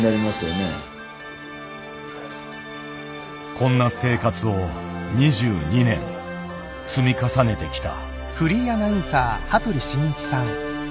こんな生活を２２年積み重ねてきた。